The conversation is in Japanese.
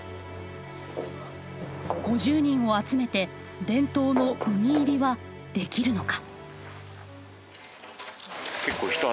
５０人を集めて伝統の海入りはできるのか。